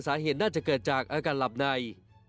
สาเหตุน่าจะเกิดจากอาการหลับใน